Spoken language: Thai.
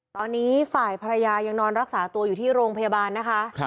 ตอนนี้ฝ่ายภรรยายังนอนรักษาตัวอยู่ที่โรงพยาบาลนะคะ